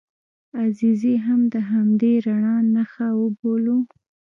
عزیزي هم د همدې رڼا نښه وبولو.